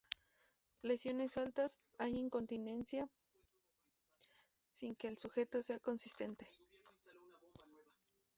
Lesiones altas: hay incontinencia sin que el sujeto sea consciente.